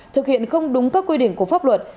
thực hiện không đúng các quy định của pháp luật